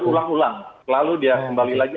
dan berulang ulang lalu dia kembali lagi